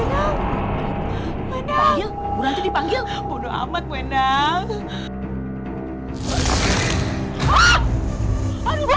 hai menang menang murah dipanggil bodo amat wendang